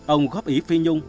ông góp ý phi nhung